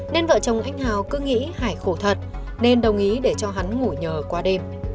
nên vợ chồng anh hào cứ nghĩ hải khổ thật nên đồng ý để cho hắn ngủ nhờ qua đêm